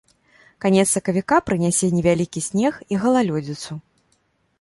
Канец сакавіка прынясе невялікі снег і галалёдзіцу.